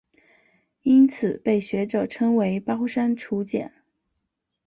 因此被学者称为包山楚简。